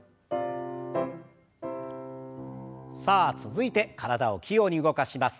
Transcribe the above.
さあ続いて体を器用に動かします。